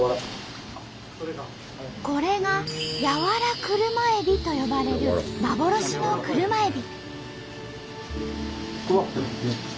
これが「やわら車えび」と呼ばれる幻の車えび。